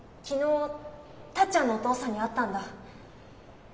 昨日タッちゃんのお父さんに会ったんだ。